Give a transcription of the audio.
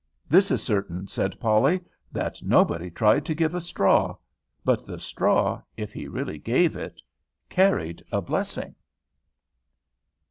"This is certain," said Polly, "that nobody tried to give a straw, but the straw, if he really gave it, carried a blessing."